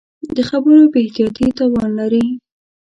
د خبرو بې احتیاطي تاوان لري